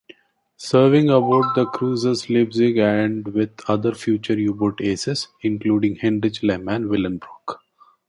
Serving aboard the cruisers "Leipzig" and with other future U-boat aces, including Heinrich Lehmann-Willenbrock.